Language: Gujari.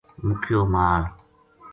مُکیو مال